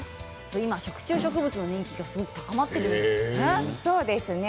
今、食虫植物の人気が高まっているんですよね。